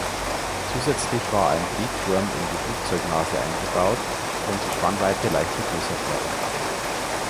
Zusätzlich war ein Drehturm in die Flugzeugnase eingebaut und die Spannweite leicht vergrößert worden.